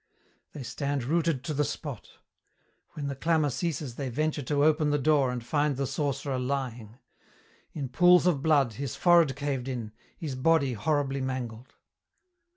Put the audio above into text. They stand rooted to the spot. When the clamour ceases they venture to open the door and find the sorcerer lying; in pools of blood, his forehead caved in, his body horribly mangled.